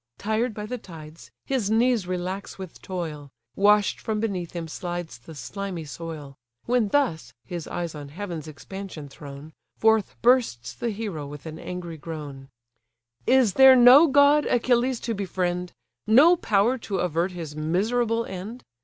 Tired by the tides, his knees relax with toil; Wash'd from beneath him slides the slimy soil; When thus (his eyes on heaven's expansion thrown) Forth bursts the hero with an angry groan: "Is there no god Achilles to befriend, No power to avert his miserable end?